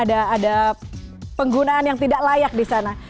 ada penggunaan yang tidak layak di sana